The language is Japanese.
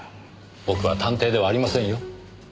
僕は探偵ではありませんよ。